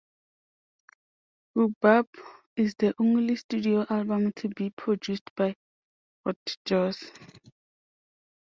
"Rhubarb" is the only studio album to be produced by Rootjoose.